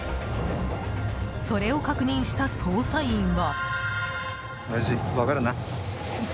それを確認した捜査員は。